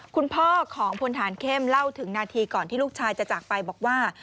คุณพ่อของพลฐานเข้มเล่าถึงนาทีก่อนที่ลูกชายจะจากไปบอกว่า